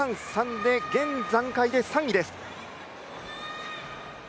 で、現段階で３位です。